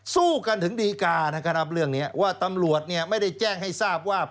สู้กันถึงดีกานะครับเรื่องนี้ว่าตำรวจเนี่ยไม่ได้แจ้งให้ทราบว่า